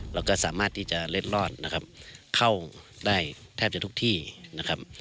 เราก็สามารถที่จะเล็ดรอดนะครับเข้าได้แทบจะทุกที่นะครับ